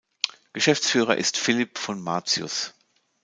Geschäftsführer ist Philipp von Martius.